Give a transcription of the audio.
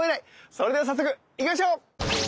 それでは早速行きましょう。